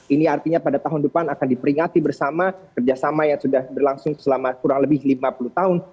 ini artinya pada tahun depan akan diperingati bersama kerjasama yang sudah berlangsung selama kurang lebih lima puluh tahun